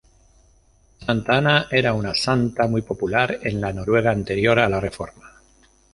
Santa Ana era una santa muy popular en la Noruega anterior a la reforma.